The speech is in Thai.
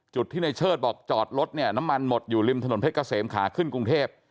จุดที่ในเชิดบอกจอดรถเนี่ยน้ำมันหมดอยู่ริมถนนเพชรเกษมขาขึ้นกรุงเทพ